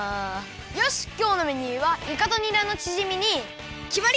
よしきょうのメニューはいかとにらのチヂミにきまり！